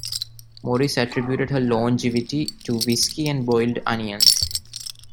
Morris attributed her longevity to whisky and boiled onions.